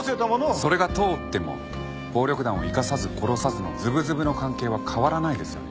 それが通っても暴力団を生かさず殺さずのズブズブの関係は変わらないですよね。